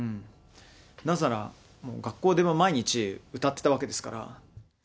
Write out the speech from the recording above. なぜなら、学校で毎日、歌ってたわけですから。